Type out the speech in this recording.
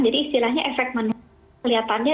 jadi istilahnya efek penularan melihatannya